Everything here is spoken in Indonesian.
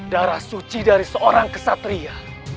darah suci dari seorang kesatria